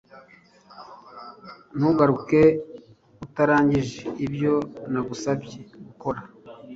Ntugaruke utarangije ibyo nagusabye gukora